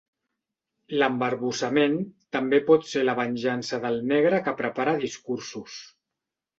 L'embarbussament també pot ser la venjança del negre que prepara discursos.